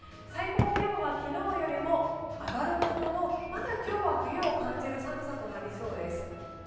最高気温昨日よりも上がるものの、まだ今日は冬を感じる寒さとなりそうです。